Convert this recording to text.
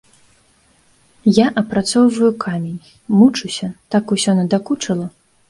Я апрацоўваю камень, мучуся, так усё надакучыла.